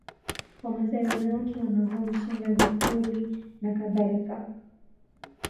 Wamasai wanawake wanavaa ushanga vipuli nakadhalika